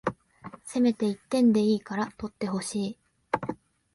せめて一点でいいから取ってほしい